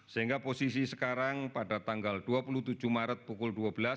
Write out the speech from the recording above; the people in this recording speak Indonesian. sehingga posisi sekarang pada tanggal dua puluh tujuh maret pukul dua belas